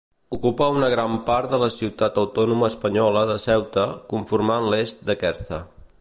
Ocupa una gran part de la ciutat autònoma espanyola de Ceuta, conformant l'est d'aquesta.